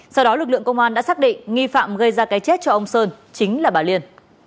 sau đó lực lượng công an đã xác định nghi phạm gây ra cái chết cho ông sơn chính là bà liên